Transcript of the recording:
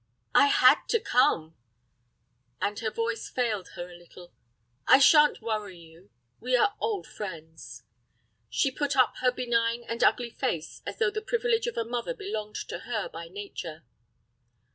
"I had to come," and her voice failed her a little. "I sha'n't worry you; we are old friends." She put up her benign and ugly face, as though the privilege of a mother belonged to her by nature.